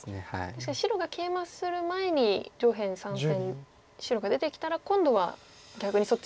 確かに白がケイマする前に上辺３線白が出てきたら今度は逆にそっち側を黒が打てば。